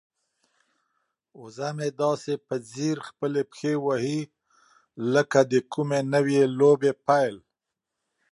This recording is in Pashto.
وزه مې داسې په ځیر خپلې پښې وهي لکه د کومې نوې لوبې پیل.